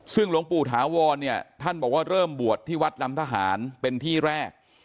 ซึ่งลงปู่ถาวรเริ่มบวชที่วัดลำทหารเป็นที่แรก